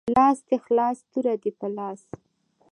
لاس دی خلاص توره دی په لاس